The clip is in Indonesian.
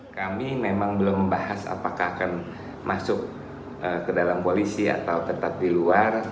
kami memang belum membahas apakah akan masuk ke dalam koalisi atau tetap di luar